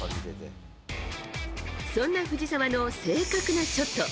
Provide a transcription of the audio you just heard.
そんな藤澤の正確なショット。